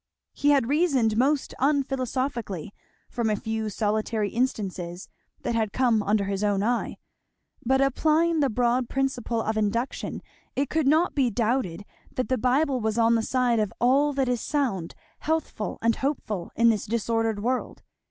He had reasoned most unphilosophically from a few solitary instances that had come under his own eye; but applying the broad principle of induction it could not be doubted that the Bible was on the side of all that is sound, healthful, and hopeful, in this disordered world.